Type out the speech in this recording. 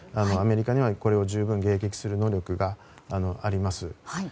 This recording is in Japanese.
アメリカにはこれを十分に迎撃する能力があります。